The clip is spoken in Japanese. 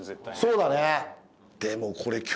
そうだね。